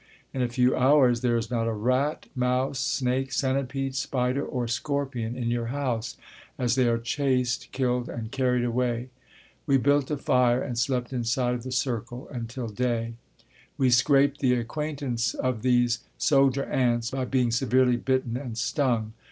In a few hours there is not a rat, mouse, snake, centipede, spider, or scorpion in your house, as they are chased, killed and carried away. We built a fire and slept inside of the circle until day. We scraped the acquaintance of these soldier ants by being severely bitten and stung.